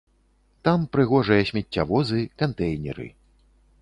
Там прыгожыя смеццявозы, кантэйнеры.